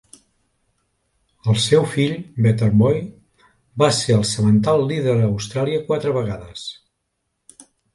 El seu fill, Better Boy, va ser el semental líder a Austràlia quatre vegades.